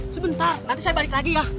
sebentar nanti saya balik lagi ya